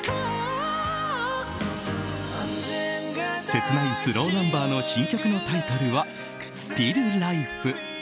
切ないスローナンバーの新曲のタイトルは「ＳｔｉｌｌＬｉｆｅ」。